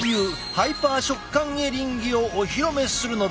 ハイパー食感エリンギをお披露目するのだ。